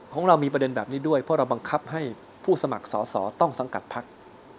ของเรามีประเด็นแบบนี้ด้วยเพราะเราบังคับให้ผู้สมัครสอสอต้องสังกัดพัก